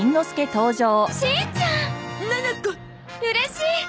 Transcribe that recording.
うれしい！